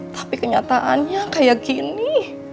tapi kenyataannya kayak gini